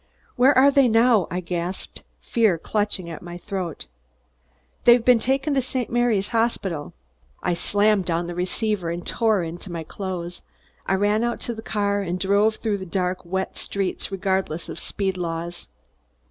"Where are they now?" I gasped, fear clutching at my throat. "They have been taken to St. Mary's Hospital." I slammed down the receiver and tore into my clothes. I ran out to the car and drove through the dark wet streets regardless of speed laws.